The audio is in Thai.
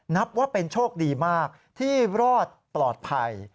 นับว่าเป็นโชคดีมากที่รอดปลอดภัย